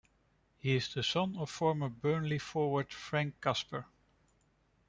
He is the son of former Burnley forward Frank Casper.